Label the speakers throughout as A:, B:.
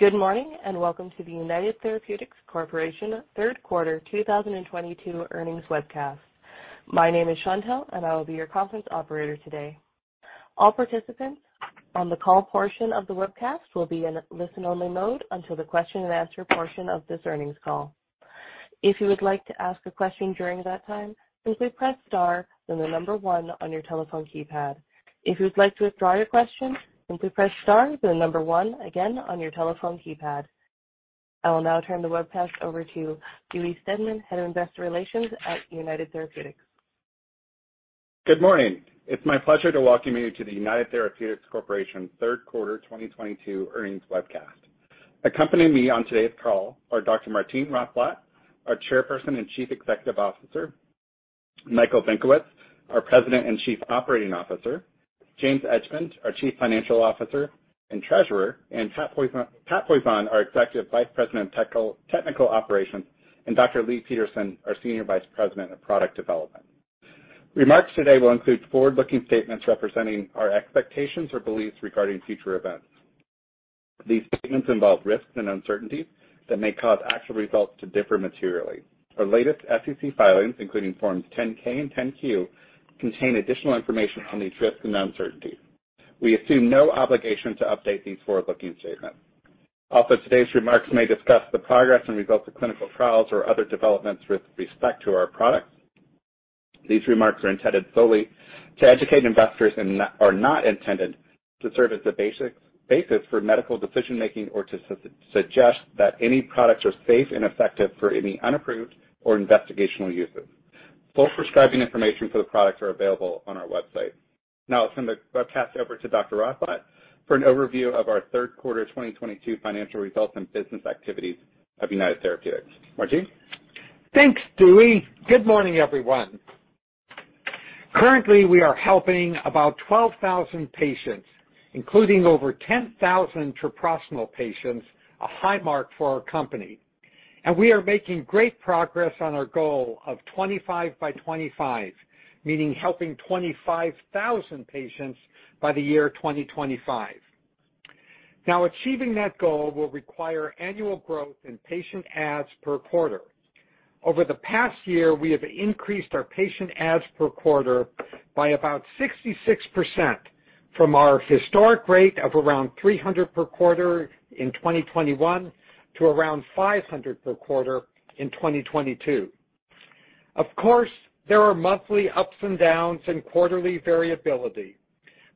A: Good morning, and welcome to the United Therapeutics Corporation third quarter 2022 earnings webcast. My name is Chantelle, and I will be your conference operator today. All participants on the call portion of the webcast will be in listen-only mode until the question and answer portion of this earnings call. If you would like to ask a question during that time, simply press star, then the number one on your telephone keypad. If you'd like to withdraw your question, simply press star, then the number one again on your telephone keypad. I will now turn the webcast over to Dewey Steadman, Head of Investor Relations at United Therapeutics.
B: Good morning. It's my pleasure to welcome you to the United Therapeutics Corporation third quarter 2022 earnings webcast. Accompanying me on today's call are Dr. Martine Rothblatt, our Chairperson and Chief Executive Officer, Michael Benkowitz, our President and Chief Operating Officer, James Edgemond, our Chief Financial Officer and Treasurer, and Patrick Poisson, our Executive Vice President of Technical Operations, and Dr. Leigh Peterson, our Senior Vice President of Product Development. Remarks today will include forward-looking statements representing our expectations or beliefs regarding future events. These statements involve risks and uncertainties that may cause actual results to differ materially. Our latest SEC filings, including Forms 10-K and 10-Q, contain additional information on these risks and uncertainties. We assume no obligation to update these forward-looking statements. Also, today's remarks may discuss the progress and results of clinical trials or other developments with respect to our products. These remarks are intended solely to educate investors and are not intended to serve as a basis for medical decision-making or to suggest that any products are safe and effective for any unapproved or investigational uses. Full prescribing information for the products are available on our website. Now I'll send the webcast over to Dr. Rothblatt for an overview of our third quarter 2022 financial results and business activities of United Therapeutics. Martine?
C: Thanks, Dewey. Good morning, everyone. Currently, we are helping about 12,000 patients, including over 10,000 Treprostinil patients, a high mark for our company. We are making great progress on our goal of 25 by 25, meaning helping 25,000 patients by the year 2025. Now, achieving that goal will require annual growth in patient adds per quarter. Over the past year, we have increased our patient adds per quarter by about 66% from our historic rate of around 300 per quarter in 2021 to around 500 per quarter in 2022. Of course, there are monthly ups and downs and quarterly variability,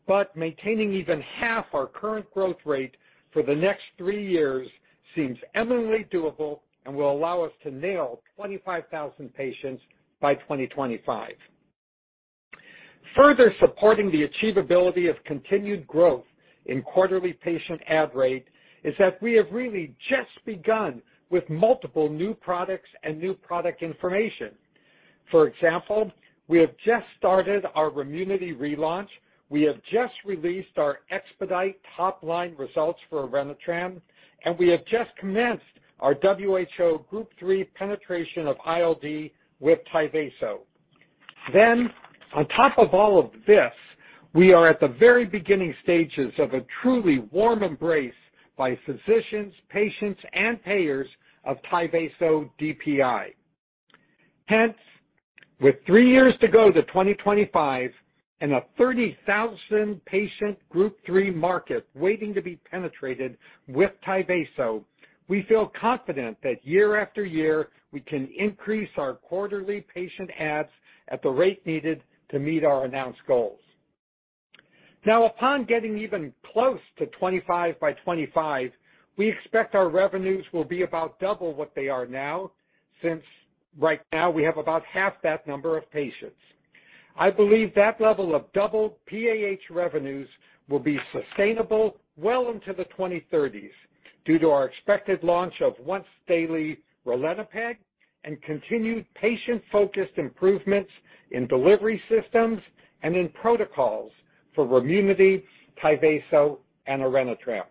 C: but maintaining even half our current growth rate for the next three years seems eminently doable and will allow us to nail 25,000 patients by 2025. Further supporting the achievability of continued growth in quarterly patient add rate is that we have really just begun with multiple new products and new product information. For example, we have just started our Remunity relaunch, we have just released our EXPEDITE top-line results for Orenitram, and we have just commenced our WHO Group 3 penetration of ILD with Tyvaso. Then on top of all of this, we are at the very beginning stages of a truly warm embrace by physicians, patients, and payers of Tyvaso DPI. Hence, with three years to go to 2025 and a 30,000 patient Group 3 market waiting to be penetrated with Tyvaso, we feel confident that year after year, we can increase our quarterly patient adds at the rate needed to meet our announced goals. Now, upon getting even close to 25 by 25, we expect our revenues will be about double what they are now, since right now we have about half that number of patients. I believe that level of double PAH revenues will be sustainable well into the 2030s due to our expected launch of once daily ralinepag and continued patient-focused improvements in delivery systems and in protocols for Remunity, Tyvaso, and Orenitram.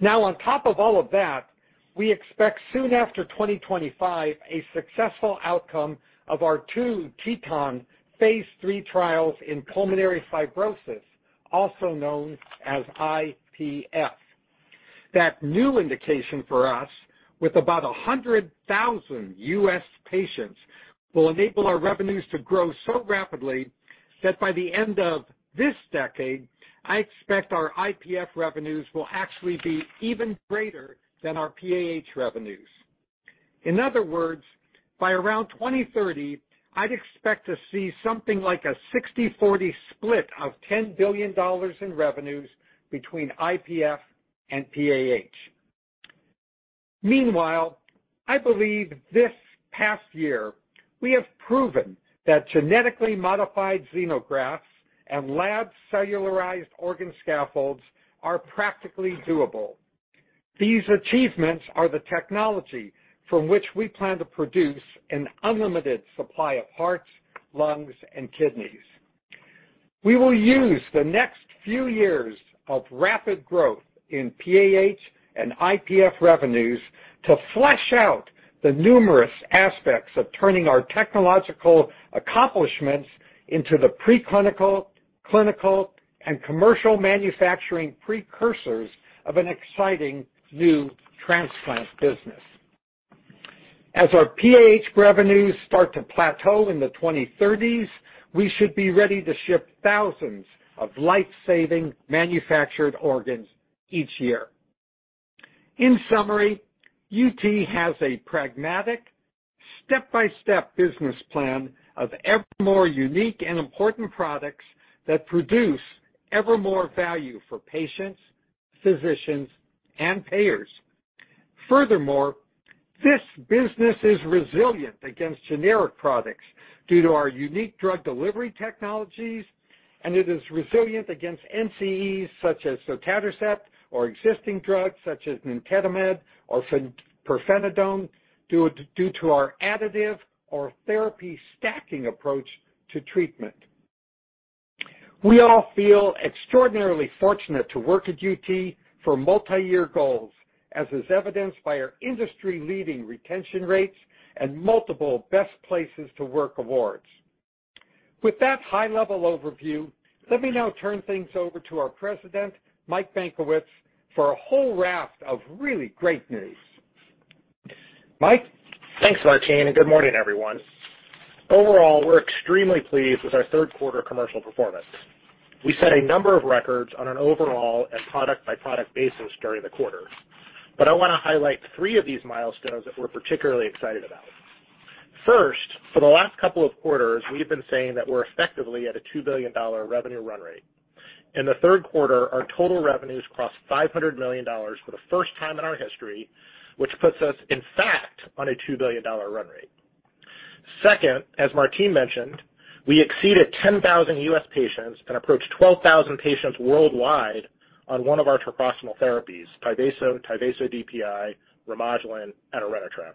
C: Now, on top of all of that, we expect soon after 2025 a successful outcome of our two TETON phase III trials in pulmonary fibrosis, also known as IPF. That new indication for us with about 100,000 U.S. patients will enable our revenues to grow so rapidly that by the end of this decade, I expect our IPF revenues will actually be even greater than our PAH revenues. In other words, by around 2030, I'd expect to see something like a 60/40 split of $10 billion in revenues between IPF and PAH. Meanwhile, I believe this past year we have proven that genetically modified xenografts and lab cellularized organ scaffolds are practically doable. These achievements are the technology from which we plan to produce an unlimited supply of hearts, lungs, and kidneys. We will use the next few years of rapid growth in PAH and IPF revenues to flesh out the numerous aspects of turning our technological accomplishments into the preclinical, clinical, and commercial manufacturing precursors of an exciting new transplant business. As our PAH revenues start to plateau in the 2030s, we should be ready to ship thousands of life-saving manufactured organs each year. In summary, UT has a pragmatic step-by-step business plan of evermore unique and important products that produce evermore value for patients, physicians, and payers. Furthermore, this business is resilient against generic products due to our unique drug delivery technologies, and it is resilient against NCEs such as sotatercept or existing drugs such as nintedanib or pirfenidone due to our additive or therapy stacking approach to treatment. We all feel extraordinarily fortunate to work at UT for multi-year goals, as is evidenced by our industry-leading retention rates and multiple best places to work awards. With that high-level overview, let me now turn things over to our President, Mike Benkowitz, for a whole raft of really great news. Mike?
D: Thanks, Martine, and good morning, everyone. Overall, we're extremely pleased with our third quarter commercial performance. We set a number of records on an overall and product-by-product basis during the quarter. I wanna highlight three of these milestones that we're particularly excited about. First, for the last couple of quarters, we've been saying that we're effectively at a $2 billion revenue run rate. In the third quarter, our total revenues crossed $500 million for the first time in our history, which puts us in fact on a $2 billion run rate. Second, as Martine mentioned, we exceeded 10,000 U.S. patients and approached 12,000 patients worldwide on one of our Treprostinil therapies, Tyvaso DPI, Remodulin, and Orenitram.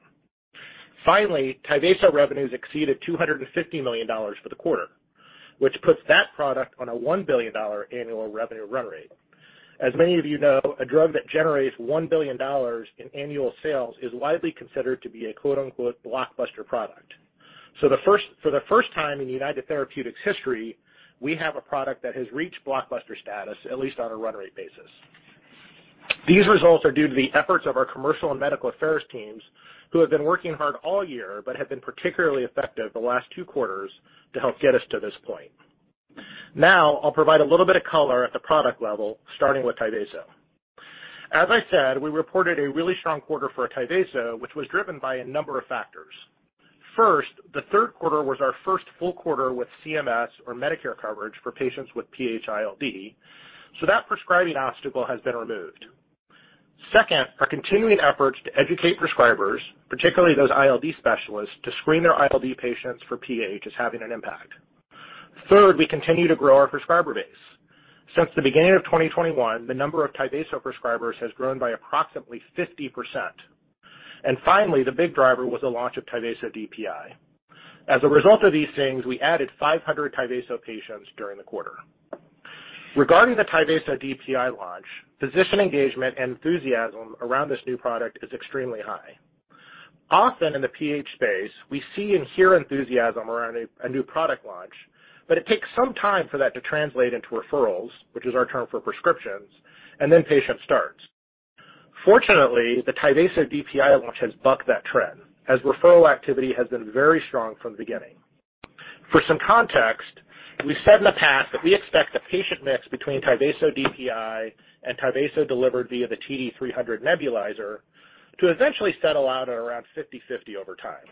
D: Finally, Tyvaso revenues exceeded $250 million for the quarter, which puts that product on a $1 billion annual revenue run rate. As many of you know, a drug that generates $1 billion in annual sales is widely considered to be a quote-unquote, "blockbuster product." For the first time in United Therapeutics' history, we have a product that has reached blockbuster status, at least on a run rate basis. These results are due to the efforts of our commercial and medical affairs teams who have been working hard all year but have been particularly effective the last two quarters to help get us to this point. Now I'll provide a little bit of color at the product level, starting with Tyvaso. As I said, we reported a really strong quarter for Tyvaso, which was driven by a number of factors. First, the third quarter was our first full quarter with CMS or Medicare coverage for patients with PH-ILD, so that prescribing obstacle has been removed. Second, our continuing efforts to educate prescribers, particularly those ILD specialists, to screen their ILD patients for PH is having an impact. Third, we continue to grow our prescriber base. Since the beginning of 2021, the number of Tyvaso prescribers has grown by approximately 50%. Finally, the big driver was the launch of Tyvaso DPI. As a result of these things, we added 500 Tyvaso patients during the quarter. Regarding the Tyvaso DPI launch, physician engagement and enthusiasm around this new product is extremely high. Often in the PH space, we see and hear enthusiasm around a new product launch, but it takes some time for that to translate into referrals, which is our term for prescriptions, and then patient starts. Fortunately, the Tyvaso DPI launch has bucked that trend as referral activity has been very strong from the beginning. For some context, we've said in the past that we expect a patient mix between Tyvaso DPI and Tyvaso delivered via the TD-300 nebulizer to eventually settle out at around 50/50 over time.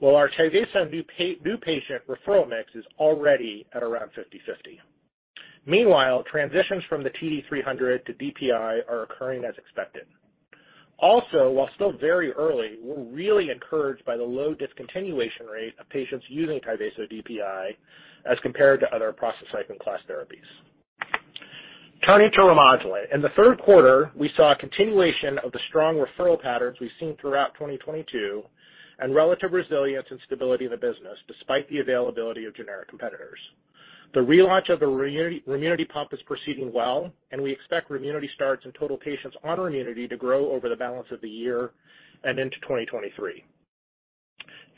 D: Well, our Tyvaso new patient referral mix is already at around 50/50. Meanwhile, transitions from the TD-300 to DPI are occurring as expected. Also, while still very early, we're really encouraged by the low discontinuation rate of patients using Tyvaso DPI as compared to other prostacyclin class therapies. Turning to Remodulin. In the third quarter, we saw a continuation of the strong referral patterns we've seen throughout 2022 and relative resilience and stability in the business, despite the availability of generic competitors. The relaunch of the Remunity pump is proceeding well, and we expect Remunity starts and total patients on Remunity to grow over the balance of the year and into 2023.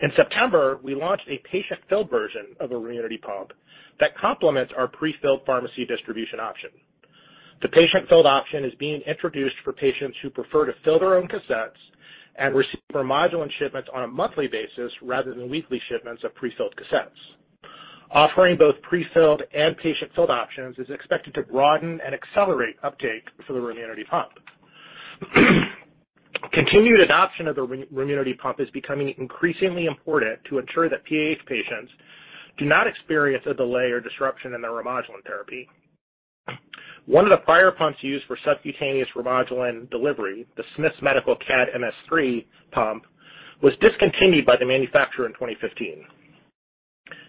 D: In September, we launched a patient-filled version of the Remunity pump that complements our prefilled pharmacy distribution option. The patient-filled option is being introduced for patients who prefer to fill their own cassettes and receive Remodulin shipments on a monthly basis rather than weekly shipments of prefilled cassettes. Offering both prefilled and patient-filled options is expected to broaden and accelerate uptake for the Remunity pump. Continued adoption of the Remunity pump is becoming increasingly important to ensure that PH patients do not experience a delay or disruption in their Remodulin therapy. One of the prior pumps used for subcutaneous Remodulin delivery, the Smiths Medical CADD-MS 3 pump, was discontinued by the manufacturer in 2015.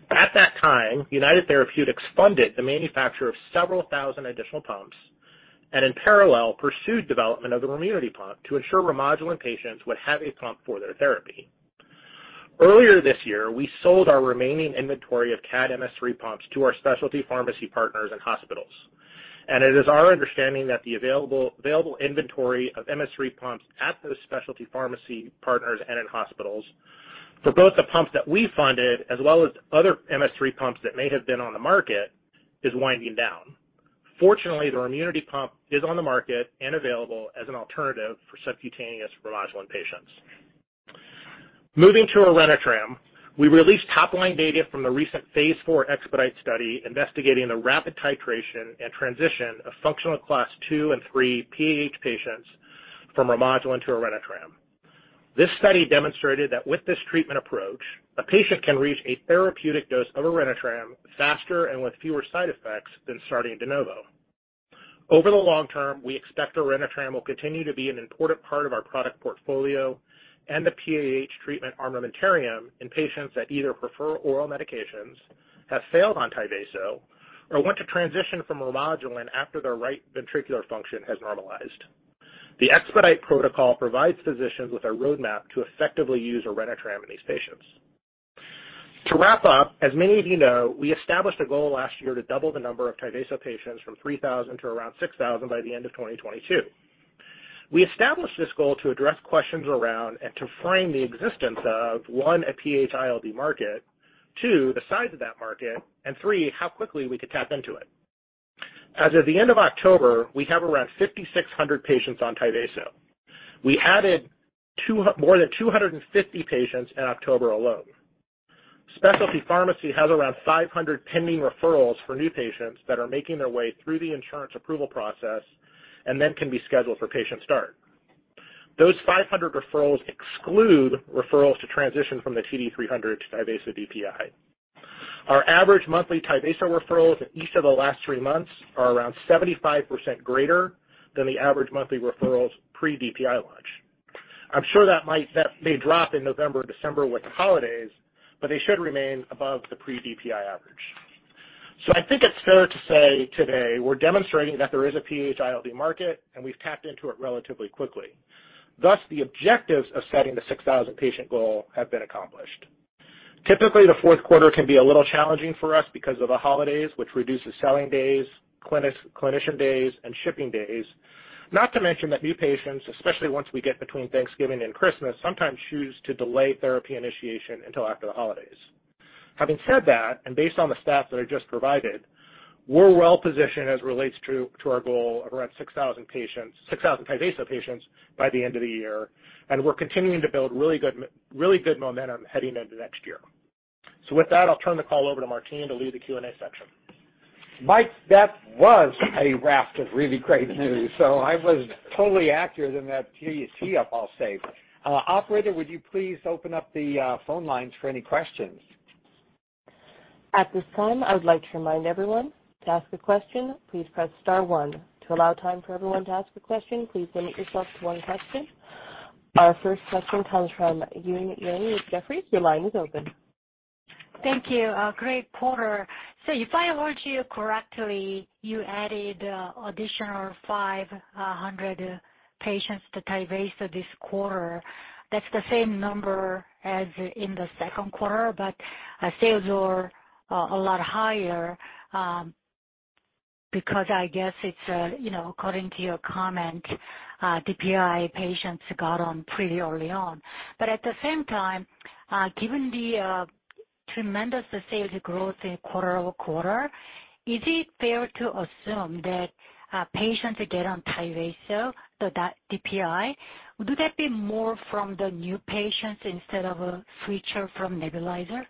D: At that time, United Therapeutics funded the manufacture of several thousand additional pumps and, in parallel, pursued development of the Remunity pump to ensure Remodulin patients would have a pump for their therapy. Earlier this year, we sold our remaining inventory of CADD-MS 3 pumps to our specialty pharmacy partners and hospitals. It is our understanding that the available inventory of CADD-MS 3 pumps at those specialty pharmacy partners and in hospitals for both the pumps that we funded as well as other CADD-MS 3 pumps that may have been on the market, is winding down. Fortunately, the Remunity pump is on the market and available as an alternative for subcutaneous Remodulin patients. Moving to Orenitram, we released top-line data from the recent phase IV EXPEDITE study investigating the rapid titration and transition of functional class two and three PAH patients from Remodulin to Orenitram. This study demonstrated that with this treatment approach, a patient can reach a therapeutic dose of Orenitram faster and with fewer side effects than starting de novo. Over the long term, we expect Orenitram will continue to be an important part of our product portfolio and the PAH treatment armamentarium in patients that either prefer oral medications, have failed on Tyvaso, or want to transition from Remodulin after their right ventricular function has normalized. The EXPEDITE protocol provides physicians with a roadmap to effectively use Orenitram in these patients. To wrap up, as many of you know, we established a goal last year to double the number of Tyvaso patients from 3,000 to around 6,000 by the end of 2022. We established this goal to address questions around and to frame the existence of, one, a PAH ILD market, two, the size of that market, and three, how quickly we could tap into it. As of the end of October, we have around 5,600 patients on Tyvaso. We added more than 250 patients in October alone. Specialty Pharmacy has around 500 pending referrals for new patients that are making their way through the insurance approval process and then can be scheduled for patient start. Those 500 referrals exclude referrals to transition from the TD-300 to Tyvaso DPI. Our average monthly Tyvaso referrals in each of the last three months are around 75% greater than the average monthly referrals pre-DPI launch. I'm sure that may drop in November, December with the holidays, but they should remain above the pre-DPI average. I think it's fair to say today we're demonstrating that there is a PAH ILD market, and we've tapped into it relatively quickly. Thus, the objectives of setting the 6,000 patient goal have been accomplished. Typically, the fourth quarter can be a little challenging for us because of the holidays, which reduces selling days, clinics, clinician days, and shipping days. Not to mention that new patients, especially once we get between Thanksgiving and Christmas, sometimes choose to delay therapy initiation until after the holidays. Having said that, and based on the stats that I just provided, we're well positioned as it relates to our goal of around 6,000 patients, 6,000 Tyvaso patients by the end of the year, and we're continuing to build really good momentum heading into next year. With that, I'll turn the call over to Martine to lead the Q&A section.
C: Mike, that was a raft of really great news, so I was totally accurate in that tee up, I'll say. Operator, would you please open up the phone lines for any questions?
A: At this time, I would like to remind everyone, to ask a question, please press star one. To allow time for everyone to ask a question, please limit yourself to one question. Our first question comes from Eun Yang with Jefferies. Your line is open.
E: Thank you. A great quarter. If I heard you correctly, you added additional 500 patients to Tyvaso this quarter. That's the same number as in the second quarter, but sales are a lot higher, because I guess it's according to your comment, DPI patients got on pretty early on. At the same time, given the tremendous sales growth in quarter-over-quarter, is it fair to assume that patients get on Tyvaso, the DPI? Would that be more from the new patients instead of a switcher from nebulizer?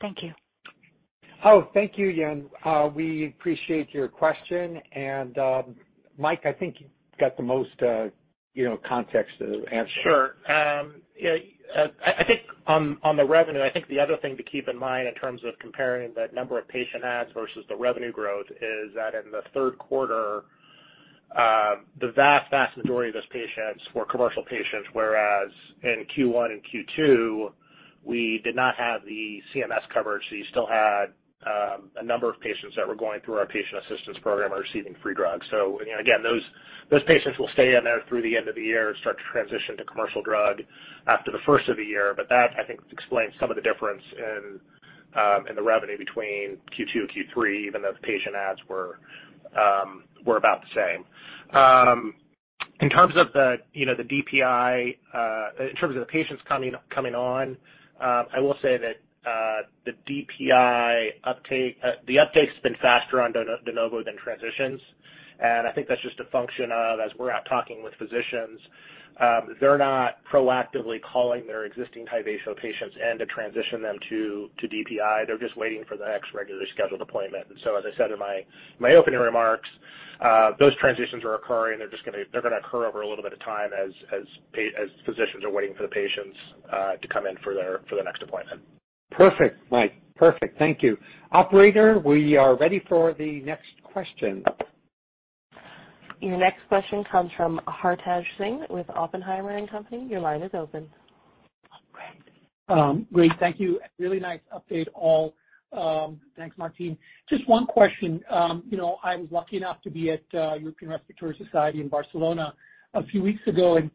E: Thank you.
C: Oh, thank you, Eun. We appreciate your question. Mike, I think you've got the most, you know, context to answer.
D: Sure. Yeah, I think on the revenue, I think the other thing to keep in mind in terms of comparing the number of patient adds versus the revenue growth is that in the third quarter, the vast majority of those patients were commercial patients, whereas in Q1 and Q2, we did not have the CMS coverage, so you still had a number of patients that were going through our Patient Assistance Program are receiving free drugs. Again, those patients will stay in there through the end of the year and start to transition to commercial drug after the first of the year. That, I think explains some of the difference in the revenue between Q2 and Q3, even though the patient adds were about the same. In terms of the, you know, the DPI, in terms of the patients coming on, I will say that, the DPI uptake, the uptake's been faster on de novo than transitions. I think that's just a function of, as we're out talking with physicians, they're not proactively calling their existing Tyvaso patients in to transition them to DPI. They're just waiting for the next regularly scheduled appointment. As I said in my opening remarks, those transitions are occurring. They're just gonna occur over a little bit of time as physicians are waiting for the patients to come in for their next appointment.
C: Perfect, Mike. Perfect. Thank you. Operator, we are ready for the next question.
A: Your next question comes from Hartaj Singh with Oppenheimer & Co. Your line is open.
F: Great. Thank you. Really nice update all. Thanks, Martine. Just one question. You know, I was lucky enough to be at European Respiratory Society in Barcelona a few weeks ago, and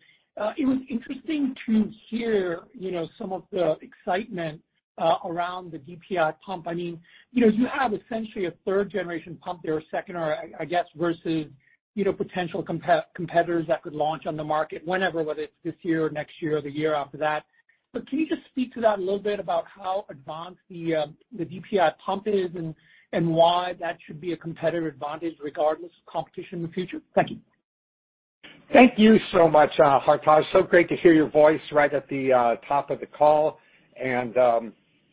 F: it was interesting to hear, you know, some of the excitement around the DPI pump. I mean, you know, you have essentially a third-generation pump there, or second, or I guess, versus, you know, potential competitors that could launch on the market whenever, whether it's this year or next year or the year after that. Can you just speak to that a little bit about how advanced the DPI pump is and why that should be a competitive advantage regardless of competition in the future? Thank you.
C: Thank you so much, Hartaj. Great to hear your voice right at the top of the call.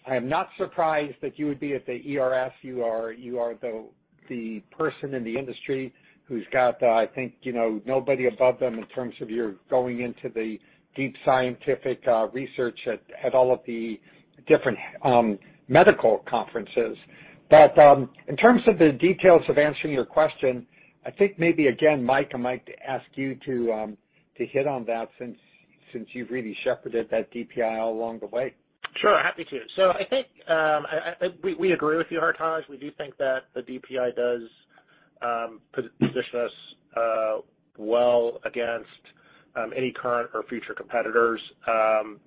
C: I am not surprised that you would be at the ERS. You are the person in the industry who's got, I think, you know, nobody above them in terms of your going into the deep scientific research at all of the different medical conferences. In terms of the details of answering your question, I think maybe again, Mike, I might ask you to hit on that since you've really shepherded that DPI all along the way.
D: Sure. Happy to. I think we agree with you, Hartaj. We do think that the DPI does position us well against any current or future competitors.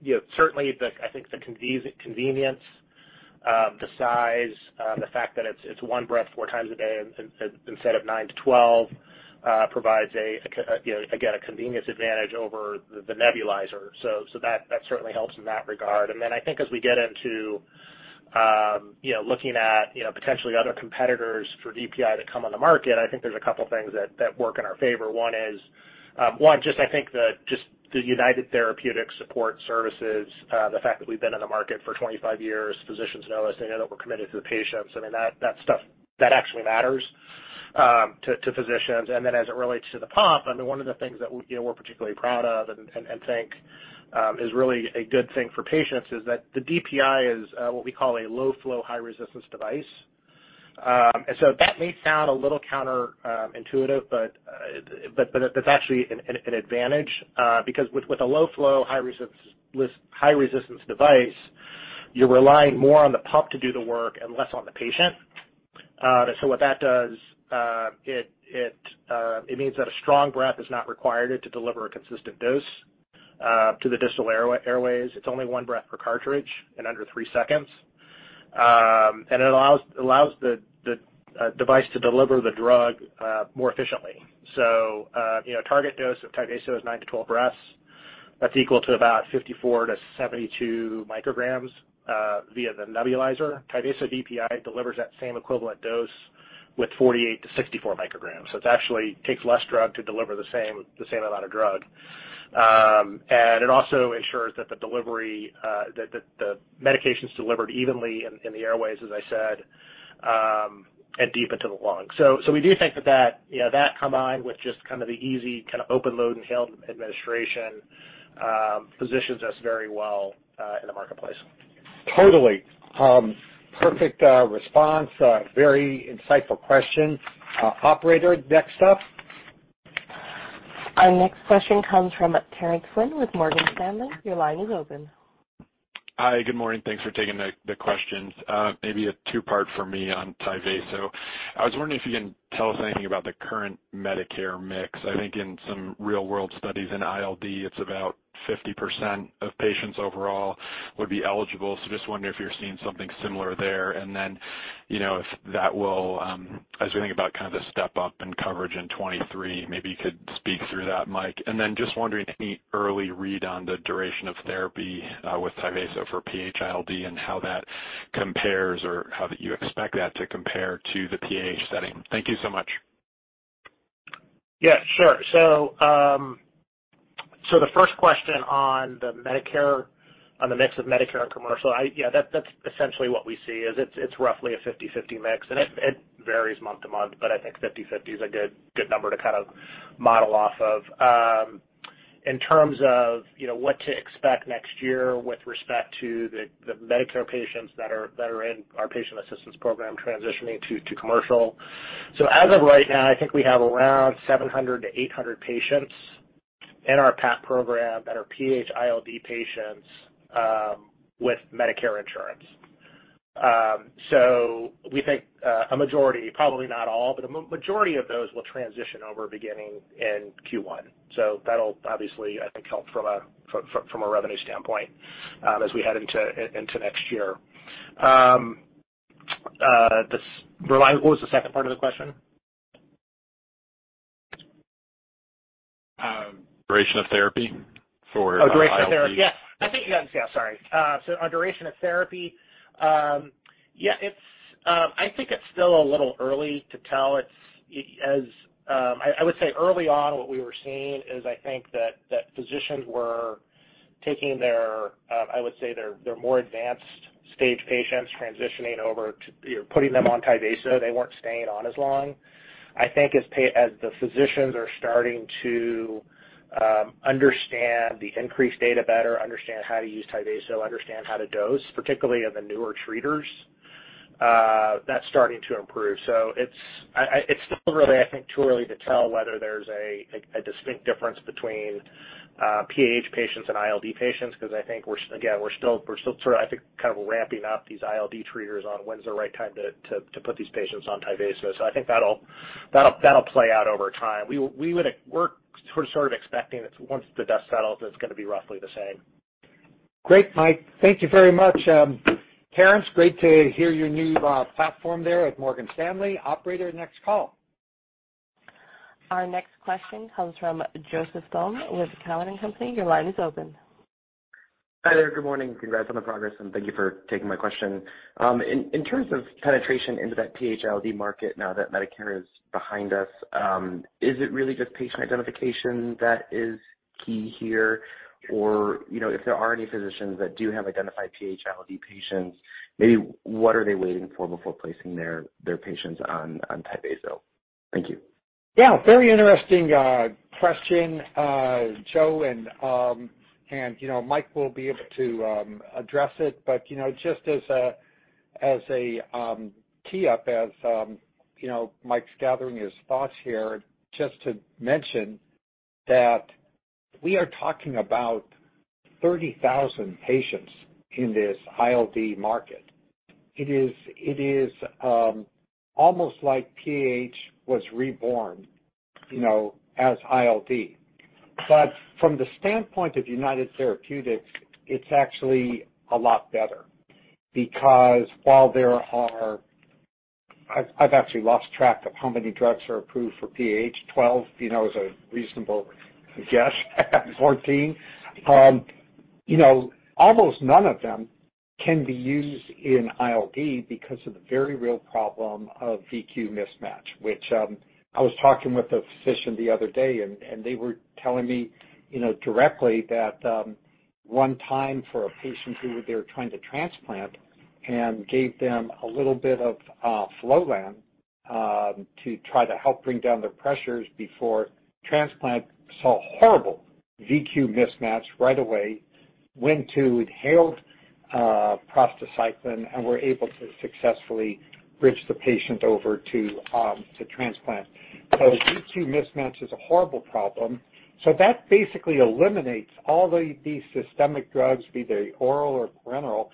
D: You know, certainly, I think the convenience, the size, the fact that it's one breath four times a day instead of nine to 12 provides a you know, again, a convenience advantage over the nebulizer. That certainly helps in that regard. I think as we get into you know, looking at you know, potentially other competitors for DPI that come on the market, I think there's a couple things that work in our favor. One is... Just the United Therapeutics Support Services, the fact that we've been in the market for 25 years, physicians know us, they know that we're committed to the patients, I mean, that stuff actually matters to physicians. As it relates to the pump, I mean, one of the things that we, you know, we're particularly proud of and think is really a good thing for patients is that the DPI is what we call a low flow, high resistance device. That may sound a little counterintuitive, but that's actually an advantage because with a low flow, high resistance device, you're relying more on the pump to do the work and less on the patient. What that does, it means that a strong breath is not required to deliver a consistent dose to the distal airways. It's only one breath per cartridge in under three seconds. It allows the device to deliver the drug more efficiently. You know, target dose of Tyvaso is nine to 12 breaths. That's equal to about 54-72 micrograms via the nebulizer. Tyvaso DPI delivers that same equivalent dose with 48-64 micrograms. It actually takes less drug to deliver the same amount of drug. It also ensures that the delivery, that the medication's delivered evenly in the airways, as I said, and deep into the lungs. We do think that, you know, that combined with just kind of the easy kind of open-label inhalable administration positions us very well in the marketplace.
C: Totally. Perfect response. Very insightful question. Operator, next up.
A: Our next question comes from Terence Flynn with Morgan Stanley. Your line is open.
G: Hi. Good morning. Thanks for taking the questions. Maybe a two-part for me on Tyvaso. I was wondering if you can tell us anything about the current Medicare mix. I think in some real-world studies in ILD, it's about 50% of patients overall would be eligible. Just wondering if you're seeing something similar there. You know, if that will, as we think about kind of the step-up in coverage in 2023, maybe you could speak through that, Mike. Just wondering any early read on the duration of therapy with Tyvaso for PH-ILD and how that compares or how you expect that to compare to the PH setting. Thank you so much.
D: Yeah, sure. The first question on Medicare, on the mix of Medicare and commercial. Yeah, that's essentially what we see is it's roughly a 50/50 mix, and it varies month to month, but I think 50/50 is a good number to kind of model off of. In terms of, you know, what to expect next year with respect to the Medicare patients that are in our Patient Assistance Program transitioning to commercial. As of right now, I think we have around 700-800 patients in our Patient Assistance Program that are PH-ILD patients with Medicare insurance. We think a majority, probably not all, but a majority of those will transition over beginning in Q1. That'll obviously, I think, help from a revenue standpoint, as we head into next year. What was the second part of the question?
G: Duration of therapy for ILD.
D: Duration of therapy. On duration of therapy, it's still a little early to tell. I would say early on, what we were seeing is physicians were taking their more advanced stage patients transitioning over to, you know, putting them on Tyvaso. They weren't staying on as long. I think as the physicians are starting to understand the increased data better, understand how to use Tyvaso, understand how to dose, particularly in the newer treaters, that's starting to improve. It's still really, I think, too early to tell whether there's a distinct difference between PAH patients and ILD patients because I think we're again still sort of, I think, kind of ramping up these ILD treaters on when's the right time to put these patients on Tyvaso. I think that'll play out over time. We're sort of expecting that once the dust settles, it's gonna be roughly the same.
C: Great, Mike. Thank you very much. Terence, great to hear your new platform there at Morgan Stanley. Operator, next call.
A: Our next question comes from Joseph Thome with TD Cowen. Your line is open.
H: Hi there. Good morning. Congrats on the progress, and thank you for taking my question. In terms of penetration into that PH-ILD market now that Medicare is behind us, is it really just patient identification that is key here? Or, you know, if there are any physicians that do have identified PH-ILD patients, maybe what are they waiting for before placing their patients on Tyvaso? Thank you.
C: Yeah, very interesting question, Joe. You know, Mike will be able to address it. You know, just as a tee up as you know, Mike's gathering his thoughts here, just to mention that we are talking about 30,000 patients in this ILD market. It is almost like PAH was reborn, you know, as ILD. From the standpoint of United Therapeutics, it's actually a lot better because while there are. I've actually lost track of how many drugs are approved for PAH. 12, you know, is a reasonable guess. 14. You know, almost none of them can be used in ILD because of the very real problem of V/Q mismatch, which I was talking with a physician the other day, and they were telling me, you know, directly that one time for a patient who they were trying to transplant and gave them a little bit of Flolan to try to help bring down their pressures before transplant, saw horrible V/Q mismatch right away, went to inhaled prostacyclin and were able to successfully bridge the patient over to transplant. V/Q mismatch is a horrible problem. That basically eliminates all these systemic drugs, be they oral or parenteral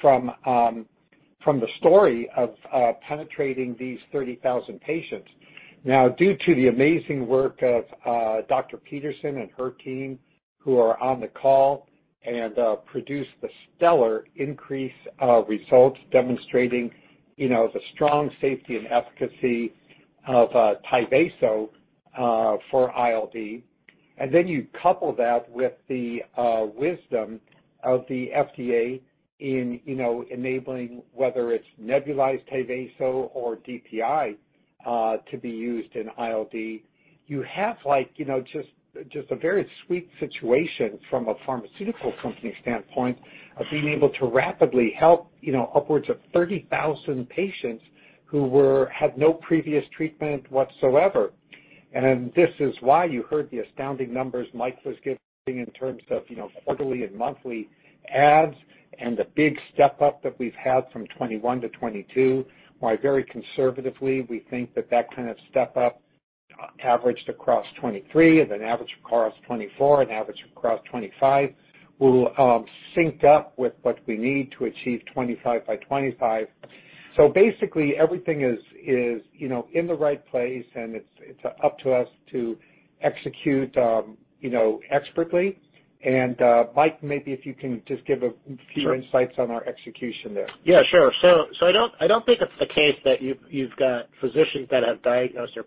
C: from the story of penetrating these 30,000 patients. Due to the amazing work of Dr. Peterson and her team who are on the call and produced the stellar INCREASE results demonstrating you know the strong safety and efficacy of Tyvaso for ILD. Then you couple that with the wisdom of the FDA in you know enabling whether it's nebulized Tyvaso or DPI to be used in ILD. You have like you know just a very sweet situation from a pharmaceutical company standpoint of being able to rapidly help you know upwards of 30,000 patients who had no previous treatment whatsoever. This is why you heard the astounding numbers Mike was giving in terms of you know quarterly and monthly adds and the big step-up that we've had from 2021 to 2022. Why very conservatively, we think that that kind of step-up, averaged across 2023 and then averaged across 2024 and averaged across 2025 will sync up with what we need to achieve 25 by 25. Basically, everything is, you know, in the right place, and it's up to us to execute, you know, expertly. Mike, maybe if you can just give a few-
D: Sure.
C: insights on our execution there.
D: Yeah, sure. I don't think it's the case that you've got physicians that have diagnosed their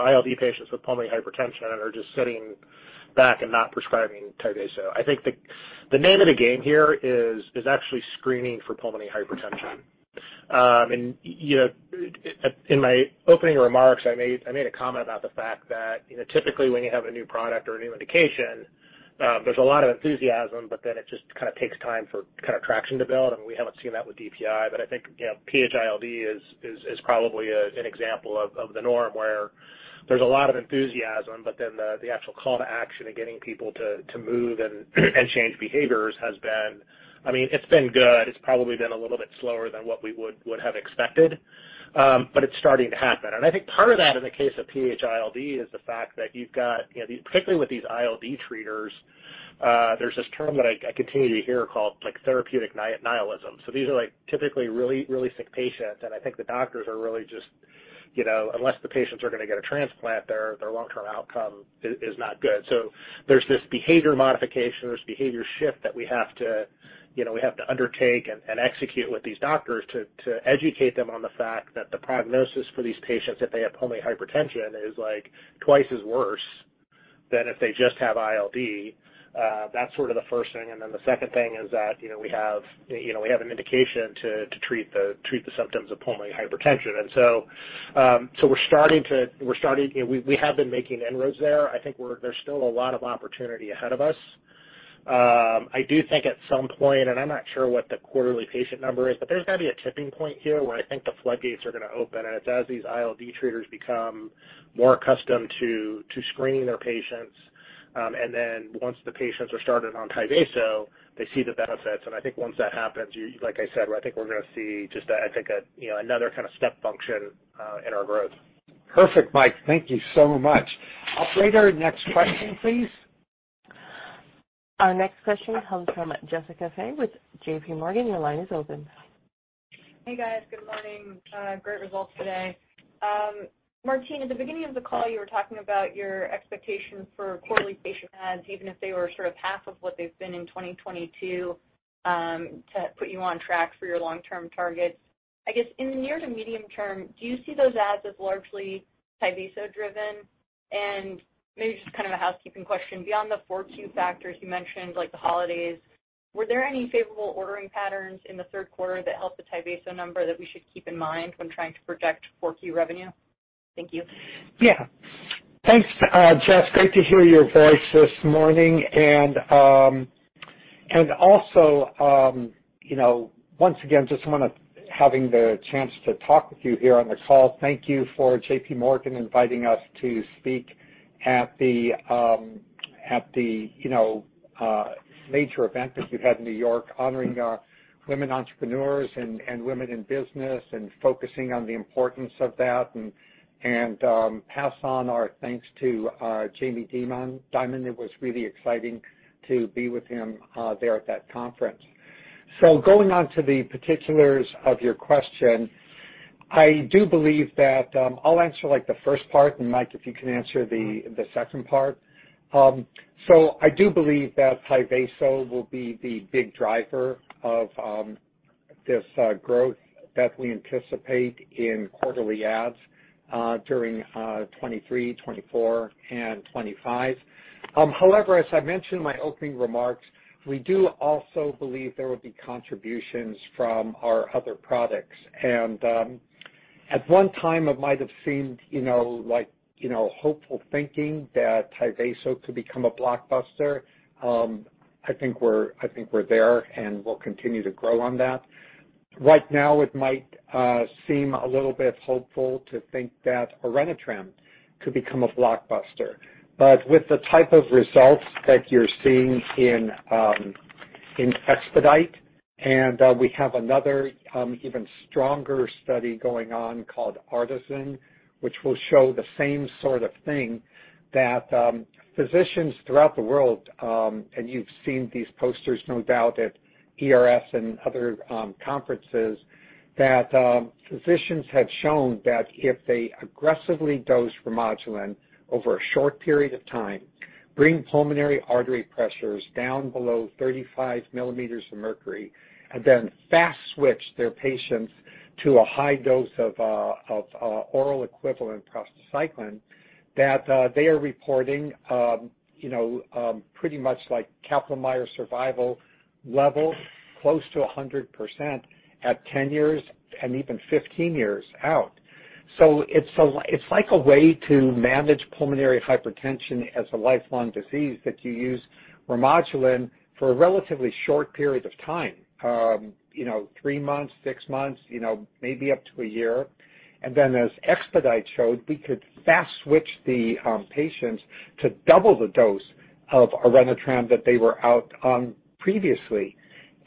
D: ILD patients with pulmonary hypertension and are just sitting back and not prescribing Tyvaso. I think the name of the game here is actually screening for pulmonary hypertension. You know, in my opening remarks, I made a comment about the fact that, you know, typically, when you have a new product or a new indication, there's a lot of enthusiasm, but then it just kinda takes time for kind of traction to build, and we haven't seen that with DPI. I think, you know, PH-ILD is probably an example of the norm where there's a lot of enthusiasm, but then the actual call to action and getting people to move and change behaviors has been. I mean, it's been good. It's probably been a little bit slower than what we would have expected, but it's starting to happen. I think part of that in the case of PH-ILD is the fact that you've got, you know, these, particularly with these ILD treaters, there's this term that I continue to hear called like therapeutic nihilism. So these are, like, typically really, really sick patients, and I think the doctors are really just, you know, unless the patients are gonna get a transplant, their long-term outcome is not good. There's this behavior modification, there's behavior shift that we have to, you know, we have to undertake and execute with these doctors to educate them on the fact that the prognosis for these patients, if they have pulmonary hypertension, is, like, twice as worse than if they just have ILD. That's sort of the first thing. The second thing is that, you know, we have an indication to treat the symptoms of pulmonary hypertension. We're starting to. You know, we have been making inroads there. I think there's still a lot of opportunity ahead of us. I do think at some point, and I'm not sure what the quarterly patient number is, but there's gotta be a tipping point here where I think the floodgates are gonna open, and it's as these ILD treaters become more accustomed to screening their patients, and then once the patients are started on Tyvaso, they see the benefits. I think once that happens, like I said, I think we're gonna see just, I think a, you know, another kind of step function in our growth.
C: Perfect, Mike. Thank you so much. Operator, next question, please.
A: Our next question comes from Jessica Fye with JPMorgan. Your line is open.
I: Hey, guys. Good morning. Great results today. Martine, at the beginning of the call, you were talking about your expectations for quarterly patient adds, even if they were sort of half of what they've been in 2022, to put you on track for your long-term targets. I guess in the near to medium term, do you see those adds as largely Tyvaso driven? Maybe just kind of a housekeeping question, beyond the four key factors you mentioned, like the holidays, were there any favorable ordering patterns in the third quarter that helped the Tyvaso number that we should keep in mind when trying to project Q4 revenue? Thank you.
C: Yeah. Thanks, Jess. Great to hear your voice this morning. You know, once again, just wanna have the chance to talk with you here on the call. Thank you for JPMorgan inviting us to speak at the major event that you've had in New York honoring women entrepreneurs and women in business and focusing on the importance of that and pass on our thanks to Jamie Dimon. It was really exciting to be with him there at that conference. Going on to the particulars of your question, I do believe that I'll answer, like, the first part, and Mike, if you can answer the second part. I do believe that Tyvaso will be the big driver of this growth that we anticipate in quarterly adds during 2023, 2024 and 2025. However, as I mentioned in my opening remarks, we do also believe there will be contributions from our other products. At one time it might have seemed, you know, like, you know, hopeful thinking that Tyvaso could become a blockbuster. I think we're there, and we'll continue to grow on that. Right now, it might seem a little bit hopeful to think that Orenitram could become a blockbuster. With the type of results that you're seeing in EXPEDITE, and we have another even stronger study going on called ARTISAN, which will show the same sort of thing that physicians throughout the world, and you've seen these posters no doubt at ERS and other conferences, that physicians have shown that if they aggressively dose Remodulin over a short period of time, bring pulmonary artery pressures down below 35 mm of mercury, and then fast switch their patients to a high dose of oral equivalent prostacyclin, that they are reporting, you know, pretty much like Kaplan-Meier survival levels close to 100% at 10 years and even 15 years out. It's like a way to manage pulmonary hypertension as a lifelong disease that you use Remodulin for a relatively short period of time, you know, three months, six months, you know, maybe up to a year. As EXPEDITE showed, we could fast switch the patients to double the dose of Orenitram that they were out on previously.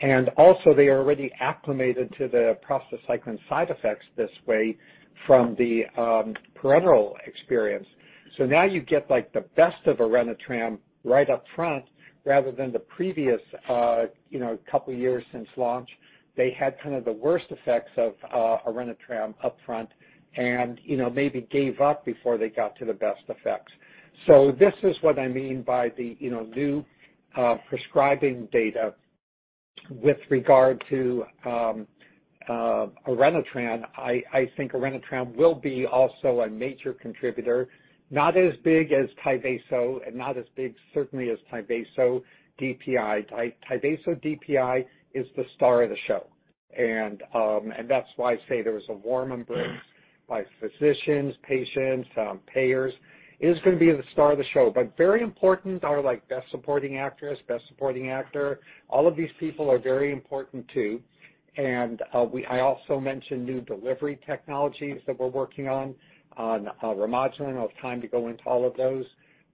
C: They are already acclimated to the prostacyclin side effects this way from the parenteral experience. Now you get like the best of Orenitram right up front rather than the previous, you know, couple years since launch. They had kind of the worst effects of Orenitram up front and, you know, maybe gave up before they got to the best effects. This is what I mean by the, you know, new prescribing data with regard to Orenitram. I think Orenitram will be also a major contributor, not as big as Tyvaso and not as big certainly as Tyvaso DPI. Tyvaso DPI is the star of the show. That's why I say there was a warm embrace by physicians, patients, payers. It is gonna be the star of the show. Very important are like best supporting actress, best supporting actor. All of these people are very important too. I also mentioned new delivery technologies that we're working on Remodulin. No time to go into all of those.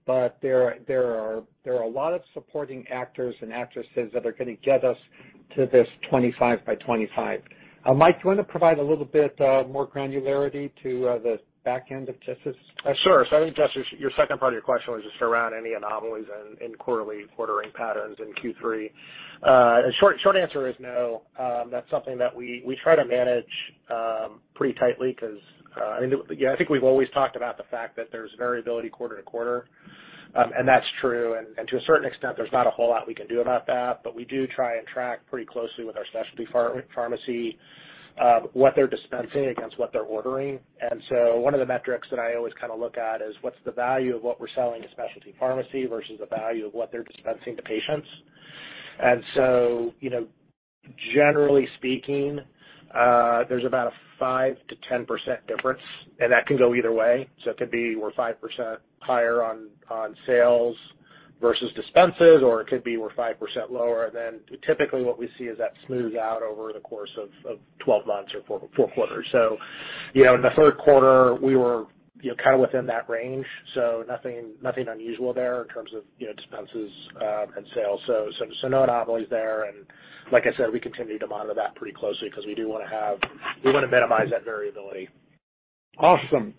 C: There are a lot of supporting actors and actresses that are gonna get us to this 25 by 25. Mike, do you wanna provide a little bit more granularity to the back end of Jess's question?
D: Sure. I think, Jess, your second part of your question was just around any anomalies in quarterly ordering patterns in Q3. Short answer is no. That's something that we try to manage pretty tightly because, I mean, yeah, I think we've always talked about the fact that there's variability quarter to quarter, and that's true. To a certain extent, there's not a whole lot we can do about that. We do try and track pretty closely with our specialty pharmacy, what they're dispensing against what they're ordering. One of the metrics that I always kinda look at is what's the value of what we're selling to specialty pharmacy versus the value of what they're dispensing to patients. You know, generally speaking, there's about a 5%-10% difference, and that can go either way. It could be we're 5% higher on sales versus dispenses, or it could be we're 5% lower. Typically what we see is that smooths out over the course of 12 months or four quarters. You know, in the third quarter, we were, you know, kind of within that range, so nothing unusual there in terms of, you know, dispenses, and sales. So no anomalies there. Like I said, we continue to monitor that pretty closely because we do wanna minimize that variability.
C: Awesome.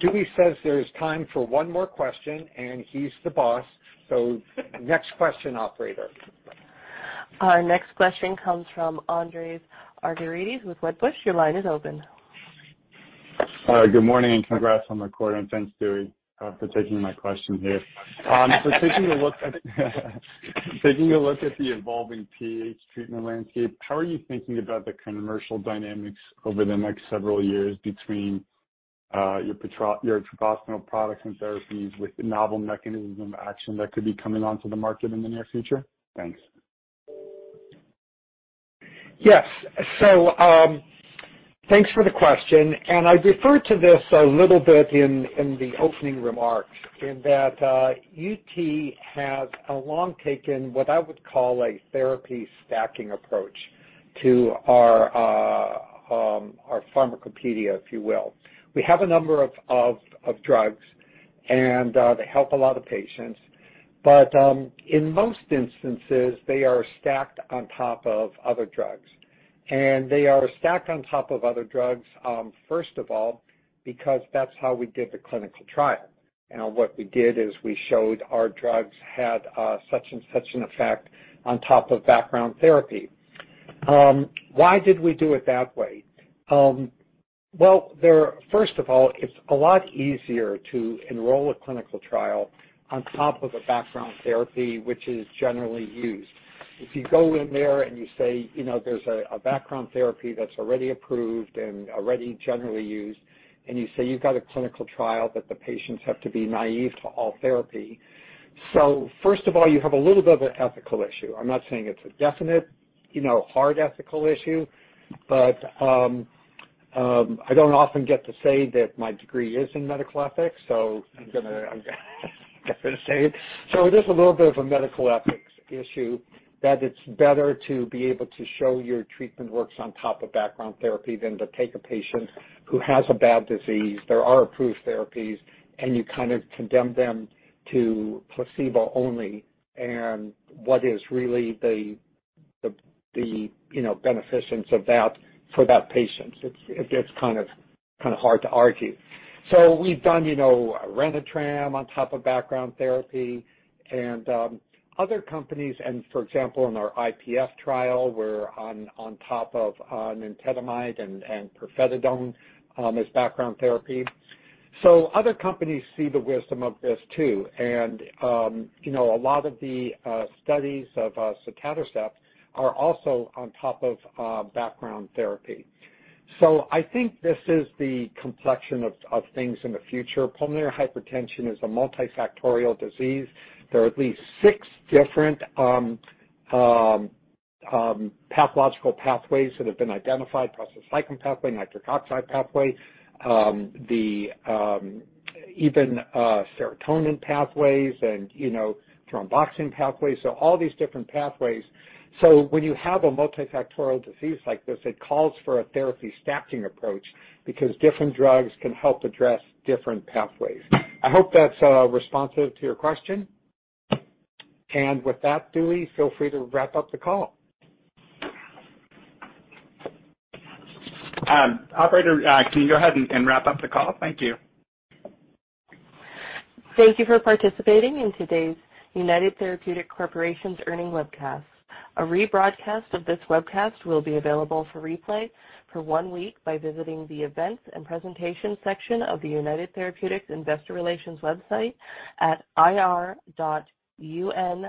C: Dewey says there's time for one more question, and he's the boss. Next question, operator.
A: Our next question comes from Andreas Argyrides with Wedbush. Your line is open.
J: Good morning and congrats on the quarter, and thanks, Dewey, for taking my question here. Taking a look at the evolving PH treatment landscape, how are you thinking about the commercial dynamics over the next several years between your Treprostinil products and therapies with the novel mechanisms of action that could be coming onto the market in the near future? Thanks.
C: Yes. Thanks for the question, and I referred to this a little bit in the opening remarks in that, UT has long taken what I would call a therapy stacking approach to our pharmacopedia, if you will. We have a number of drugs, and they help a lot of patients. In most instances, they are stacked on top of other drugs. They are stacked on top of other drugs, first of all, because that's how we did the clinical trial. You know, what we did is we showed our drugs had such and such an effect on top of background therapy. Why did we do it that way? First of all, it's a lot easier to enroll a clinical trial on top of a background therapy, which is generally used. If you go in there and you say, you know, there's a background therapy that's already approved and already generally used, and you say you've got a clinical trial that the patients have to be naive to all therapy. First of all, you have a little bit of an ethical issue. I'm not saying it's a definite, you know, hard ethical issue, but I don't often get to say that my degree is in medical ethics, so I'm gonna say it. It is a little bit of a medical ethics issue that it's better to be able to show your treatment works on top of background therapy than to take a patient who has a bad disease, there are approved therapies, and you kind of condemn them to placebo only and what is really the beneficence of that for that patient. It's kind of hard to argue. We've done, you know, Orenitram on top of background therapy and other companies and for example, in our IPF trial, we're on top of nintedanib and pirfenidone as background therapy. Other companies see the wisdom of this too. You know, a lot of the studies of sotatercept are also on top of background therapy. I think this is the complexion of things in the future. Pulmonary hypertension is a multifactorial disease. There are at least six different pathological pathways that have been identified, prostacyclin pathway, nitric oxide pathway, the endothelin, serotonin pathways and, you know, thromboxane pathways. All these different pathways. When you have a multifactorial disease like this, it calls for a therapy stacking approach because different drugs can help address different pathways. I hope that's responsive to your question. With that, Dewey, feel free to wrap up the call.
B: Operator, can you go ahead and wrap up the call? Thank you.
A: Thank you for participating in today's United Therapeutics Corporation's earnings webcast. A rebroadcast of this webcast will be available for replay for one week by visiting the Events and Presentation section of the United Therapeutics investor relations website at ir.unither.com.